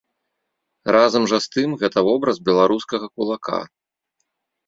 Разам жа з тым гэта вобраз беларускага кулака.